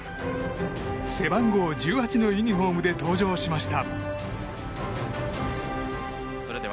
背番号１８のユニホームで登場しました。